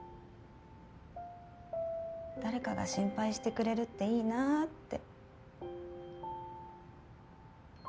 誰かが心配してくれるっていいなって。